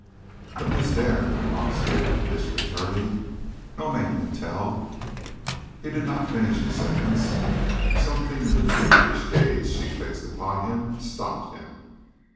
"But, Miss Dare," remonstrated the District Attorney, "no man can tell " He did not finish his sentence. Something in the feverish gaze she fixed upon him stopped him.